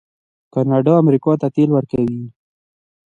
کاناډا امریکا ته تیل ورکوي.